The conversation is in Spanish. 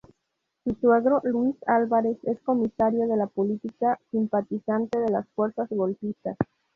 Su suegro, Luis Álvarez, es comisario de policía, simpatizante de las fuerzas golpistas.